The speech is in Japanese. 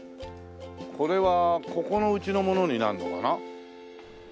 これはここのうちのものになるのかな？